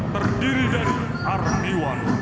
terdiri dari army one